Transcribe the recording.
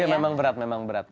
iya memang berat memang berat